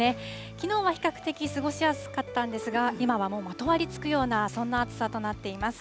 きのうは比較的過ごしやすかったんですが、今はもうまとわりつくような、そんな暑さとなっています。